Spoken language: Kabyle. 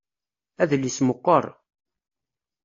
Adlis meqqer.